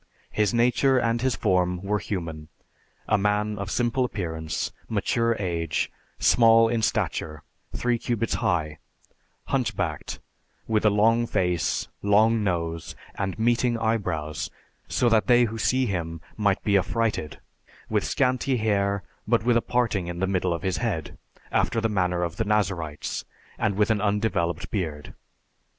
His nature and his form were human; a man of simple appearance, mature age, small in stature, three cubits high, hunchbacked, with a long face, long nose, and meeting eyebrows, so that they who see him might be affrighted, with scanty hair but with a parting in the middle of his head, after the manner of the Nazarites, and with an undeveloped beard.